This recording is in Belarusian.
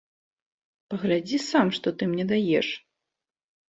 Паглядзі сам, што ты мне даеш!